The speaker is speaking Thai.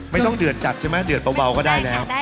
อ๋อไม่ต้องเดือดจัดใช่ไหมเดือดเบาก็ได้แล้ว